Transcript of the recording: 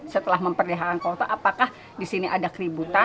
setelah memperlihatkan kota apakah disini ada keributan